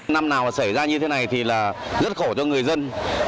năm nào xảy ra như thế này thì rất khổ cho người dân